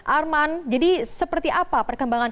arman jadi seperti apa perkembangan